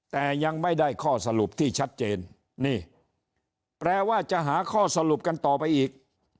แต่ยังไม่ได้ข้อสรุปที่ชัดเจนนี่แปลว่าจะหาข้อสรุปกันต่อไปอีก